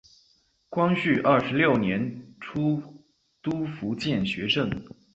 光绪二十六年出督福建学政。